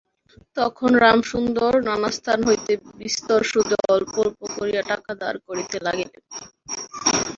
তখন রামসুন্দর নানাস্থান হইতে বিস্তর সুদে অল্প অল্প করিয়া টাকা ধার করিতে লাগিলেন।